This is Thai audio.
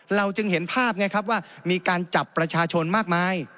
เราจึงเห็นภาพไงครับว่ามีการจับประชาชนมากมาย